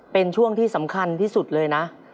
เป็นช่วงที่สำคัญที่สุดเลยนะ